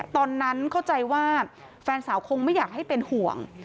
ตอนนั้นเข้าใจว่าแฟนสาวคงไม่อยากให้เป็นห่วง